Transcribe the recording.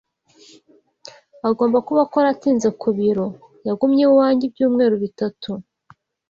Agomba kuba akora atinze ku biro. Yagumye iwanjye ibyumweru bitatu.